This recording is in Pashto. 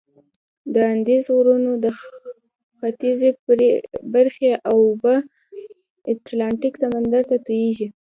د اندیزد غرونو د ختیځي برخې اوبه اتلانتیک سمندر ته تویږي.